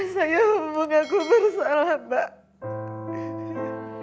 saya mengaku bersalah mbak